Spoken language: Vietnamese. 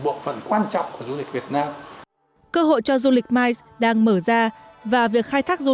bộ phần quan trọng của du lịch việt nam cơ hội cho du lịch mice đang mở ra và việc khai thác du